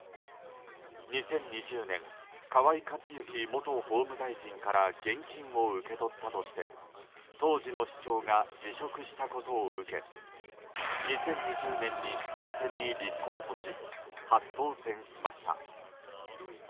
２０２０年河井克行元法務大臣から現金を受け取ったとして当時の市長が辞職したことを受け２０２０年に市長選に立候補し初当選しました。